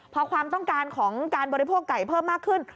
พอความต้องการของการบริโภคไก่เพิ่มมากขึ้น